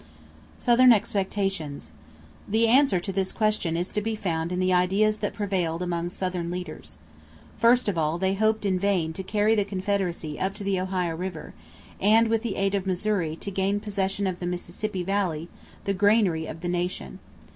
=Southern Expectations.= The answer to this question is to be found in the ideas that prevailed among Southern leaders. First of all, they hoped, in vain, to carry the Confederacy up to the Ohio River; and, with the aid of Missouri, to gain possession of the Mississippi Valley, the granary of the nation.